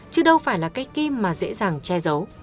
chứ đâu phải là cách kim mà dễ dàng che giấu